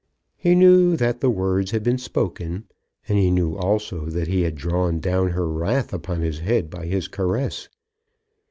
He knew that the words had been spoken, and he knew also that he had drawn down her wrath upon his head by his caress.